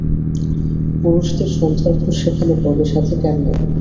পুরুষদের সন্ধ্যার পর সেখানে প্রবেশাধিকার নেই।